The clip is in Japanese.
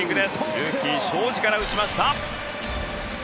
ルーキー、荘司から打ちました。